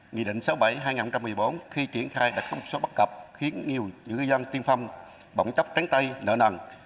nghị định sáu mươi bảy hai nghìn một mươi bốn khi triển khai đã có một số bất cập khiến nhiều ngư dân tiên phong bỗng chốc tránh tay nợ nằn